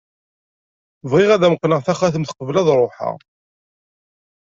Bɣiɣ ad am-qqneɣ taxatemt qbel ad ruḥeɣ.